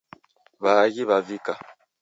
Waaghi wavika